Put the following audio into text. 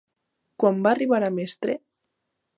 Quan va arribar a mestre?